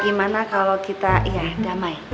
gimana kalau kita ya damai